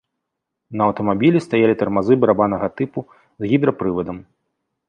На аўтамабілі стаялі тармазы барабаннага тыпу з гідрапрывадам.